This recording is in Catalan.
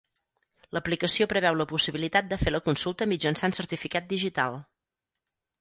L'aplicació preveu la possibilitat de fer la consulta mitjançant certificat digital.